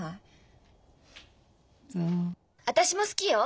私も好きよ。